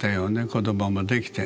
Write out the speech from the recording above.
子どももできて。